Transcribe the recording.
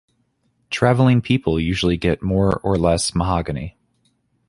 Travelling-people usually get more or less mahogany.